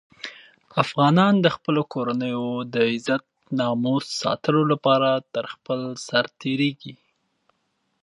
افغانان د خپلو کورنیو د عزت او ناموس ساتلو لپاره تر خپل سر تېرېږي.